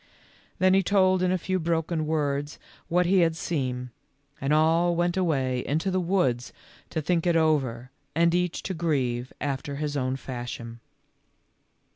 Then he told in a few broken words what he had seen, and all went away into the woods to think it over and each to grieve after his own fashion.